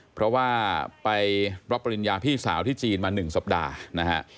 เพราะว่าไปรับปริญญาพี่สาวที่จีนมา๑สัปดาห์นะฮะ